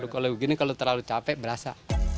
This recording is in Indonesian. kalau begini kalau terlalu capek berasa